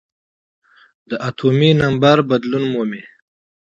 د اتومي نمبر بدلون مومي .